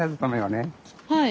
はい。